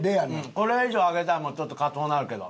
これ以上揚げたらちょっと硬うなるけど。